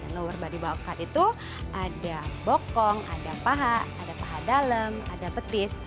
lower body bal card itu ada bokong ada paha ada paha dalam ada petis